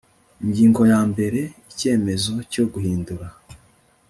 Ingingo ya mbere Icyemezo cyo guhindura